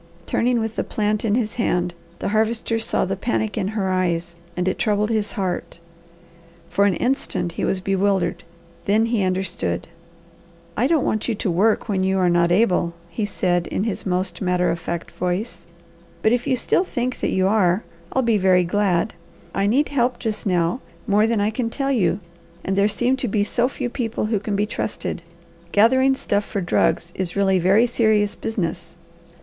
Turning with the plant in his hand the Harvester saw the panic in her eyes, and it troubled his heart. For an instant he was bewildered, then he understood. "I don't want you to work when you are not able," he said in his most matter of fact voice, "but if you still think that you are, I'll be very glad. I need help just now, more than I can tell you, and there seem to be so few people who can be trusted. Gathering stuff for drugs is really very serious business.